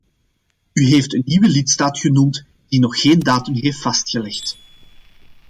U heeft een nieuwe lidstaat genoemd die nog geen datum heeft vastgelegd.